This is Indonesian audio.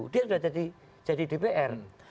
dia sudah jadi dpr